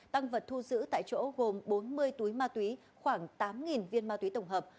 tăng vật thu giữ tại chỗ gồm bốn mươi túi ma túy khoảng tám viên ma túy tổng hợp